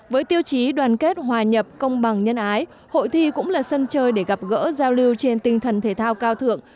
với tiêu chí đoàn kết hòa nhập công bằng nhân ái hội thi cũng là sân chơi để gặp gỡ giao lưu trên tinh thần thể thao cao thượng